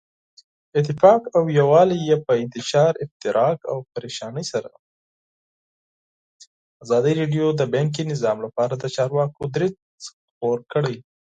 ازادي راډیو د بانکي نظام لپاره د چارواکو دریځ خپور کړی.